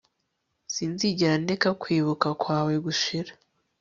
sinzigera ndeka kwibuka kwawe gushira